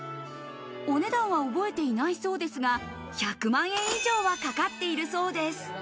お値段は覚えていないそうですが、１００万円以上はかかっているそうです。